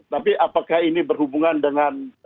tapi apakah ini berhubungan dengan